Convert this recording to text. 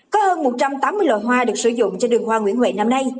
có hơn một trăm tám mươi loài hoa được sử dụng trên đường hoa nguyễn huệ năm nay